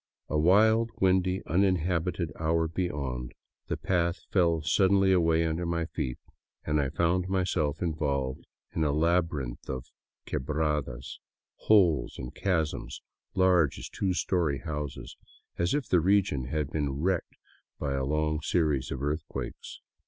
A wild, windy, uninhabited hour beyond, the path fell suddenly away under my feet and I found myself involved in a labyrinth of quebradas, holes and chasms large as two story houses, as if the region had been wrecked by a long series of earthquakes.